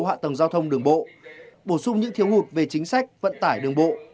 hạ tầng giao thông đường bộ bổ sung những thiếu hụt về chính sách vận tải đường bộ